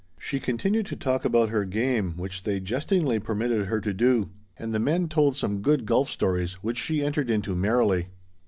She continued to talk about her game, which they jestingly permitted her to do, and the men told some good golf stories which she entered into merrily.